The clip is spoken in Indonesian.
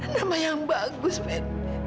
nama yang bagus fen